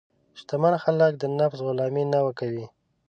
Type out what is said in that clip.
شتمن خلک د نفس غلامي نه کوي.